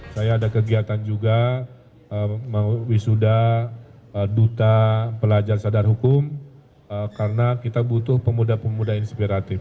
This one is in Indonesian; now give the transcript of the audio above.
saya ada kegiatan juga wisuda duta pelajar sadar hukum karena kita butuh pemuda pemuda inspiratif